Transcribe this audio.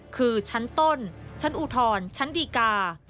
คือชั้นต้นชั้นอุทธรณ์ชั้นดีกา